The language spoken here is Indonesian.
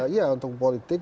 iya untuk politik